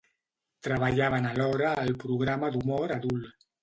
Treballaven alhora al programa d'humor adult.